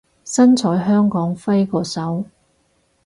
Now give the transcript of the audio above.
身在香港揮個手